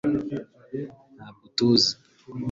ntabwo utuzi